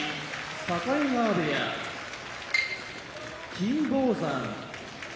境川部屋金峰山